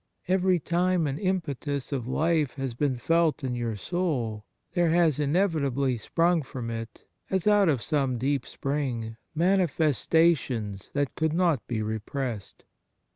Every time an impetus of life has been felt in your soul, there has in evitably sprung from it, as out of some deep spring, manifestations that could not be repressed.